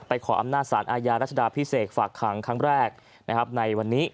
ขออำนาจสารอาญารัชดาพิเศษฝากขังครั้งแรกนะครับในวันนี้